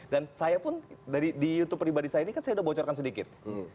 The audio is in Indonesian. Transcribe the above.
saya pun di youtube pribadi saya ini kan saya sudah bocorkan sedikit